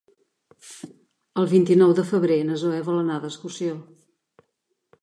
El vint-i-nou de febrer na Zoè vol anar d'excursió.